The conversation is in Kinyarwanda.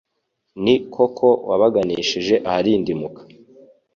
Ni koko wabaganishije aharindimuka